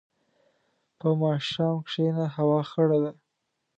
په ماښام کښېنه، هوا خړه ده.